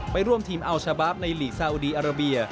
ไปร่วมทีมอัลชาบาฟในหลีกซาอุดีอาราเบีย